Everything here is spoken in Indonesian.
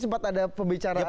sempat ada pembicaraan gitu